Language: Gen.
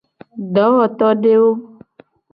Dowotodewo.